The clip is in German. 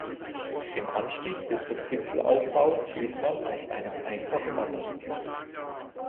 Im Anstieg bis zum Gipfelaufbau geht man auf einem einfachen Wanderweg.